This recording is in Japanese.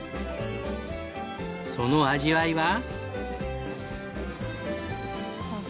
その味わいは。